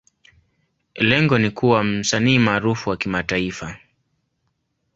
Lengo ni kuwa msanii maarufu wa kimataifa.